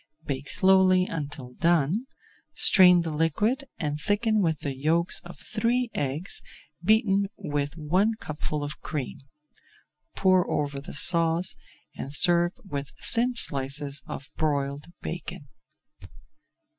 Bake slowly until done, strain the liquid and thicken with the yolks of three eggs beaten with one cupful of cream. Pour over the sauce, and serve with thin slices of broiled bacon.